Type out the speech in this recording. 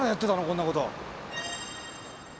こんなこと。